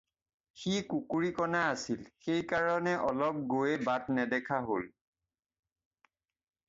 সি কুকুৰীকণা আছিল, সেইকাৰণে অলপ গৈয়েই বাট নেদেখা হ'ল।